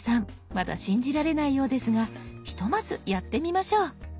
まだ信じられないようですがひとまずやってみましょう。